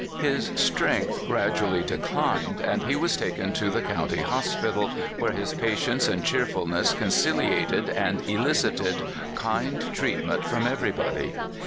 His strength gradually declined, and he was taken to the county hospital, where his patience and cheerfulness conciliated and elicited kind treatment from everybody.